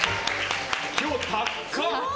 今日、高っ！